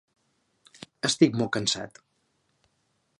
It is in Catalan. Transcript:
Estic molt cansat.